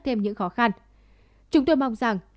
thêm những khó khăn chúng tôi mong rằng